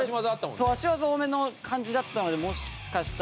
そう足技多めの感じだったのでもしかしたら。